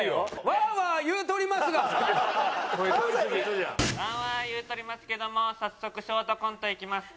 ワーワー言うとりますけども早速ショートコントいきます。